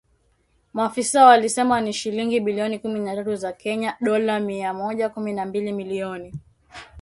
Maafisa walisema ni shilingi bilioni kumi na tatu za Kenya (Dola mia moja kumi na mbili milioni).